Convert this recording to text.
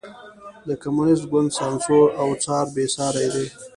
د کمونېست ګوند سانسور او څار بېساری دی.